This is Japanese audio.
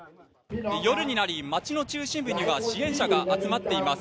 夜になり街の中心部には支援者が集まっています。